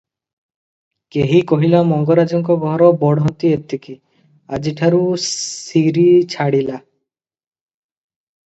କେହି କହିଲା ମଙ୍ଗରାଜଙ୍କ ଘର ବଢ଼ନ୍ତି ଏତିକି, ଆଜିଠାରୁ ଶିରୀ ଛାଡ଼ିଲା ।